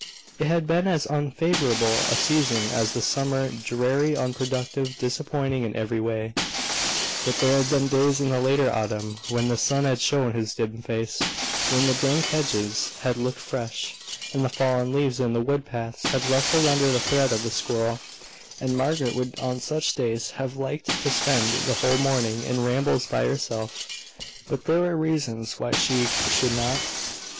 It had been as unfavourable a season as the summer, dreary, unproductive, disappointing in every way; but there had been days in the latter autumn when the sun had shown his dim face, when the dank hedges had looked fresh, and the fallen leaves in the wood paths had rustled under the tread of the squirrel; and Margaret would on such days have liked to spend the whole morning in rambles by herself. But there were reasons why she should not.